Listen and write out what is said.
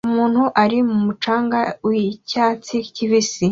Umuntu uri ku mucanga wicyatsi kibisi